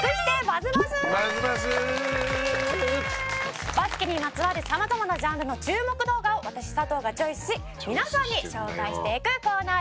バスケにまつわる様々なジャンルの注目動画を私佐藤がチョイスし皆さんに紹介していくコーナーです。